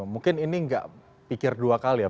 mungkin ini nggak pikir dua kali ya